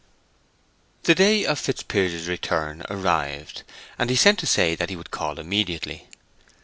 The day of Fitzpiers's return arrived, and he sent to say that he would call immediately.